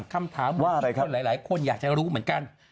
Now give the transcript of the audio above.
คำถามว่าหลายคนอยากจะรู้เหมือนกัน